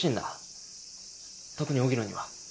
特に荻野には。